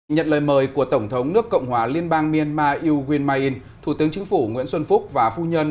nhận lời mời của tổng thống nước cộng hòa liên bang myanmar yuen mai in thủ tướng chính phủ nguyễn xuân phúc và phu nhân